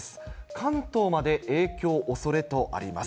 関東まで影響おそれとあります。